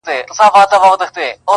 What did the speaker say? بس د رڼا په تمه ژوند کوي رڼا نه لري-